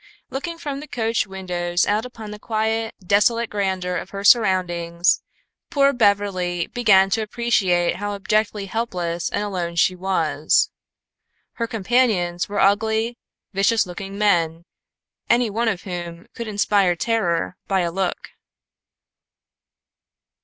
Looking from the coach windows out upon the quiet, desolate grandeur of her surroundings, poor Beverly began to appreciate how abjectly helpless and alone she was. Her companions were ugly, vicious looking men, any one of whom could inspire terror by a look.